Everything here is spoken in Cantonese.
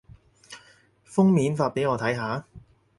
封面發畀我睇下